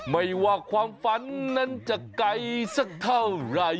ไม่ว่าความฝันนั้นจะไกลสักเท่าไหร่